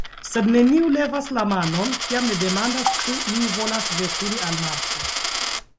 Sed neniu levas la manon, kiam li demandas, ĉu iu volas veturi al Marso.